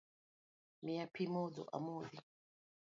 Miya pi modho amodhi.